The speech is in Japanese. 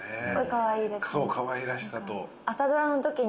かわいらしさと。